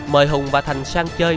mời hùng và thành sang chơi